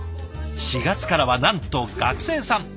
４月からはなんと学生さん。